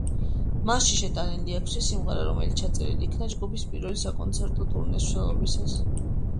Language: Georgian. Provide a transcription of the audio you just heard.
მასში შეტანილია ექვსი სიმღერა, რომელიც ჩაწერილი იქნა ჯგუფის პირველი საკონცერტო ტურნეს მსვლელობისას.